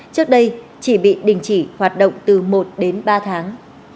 trước đây chỉ bị đình chỉ hoạt động từ một đến ba tháng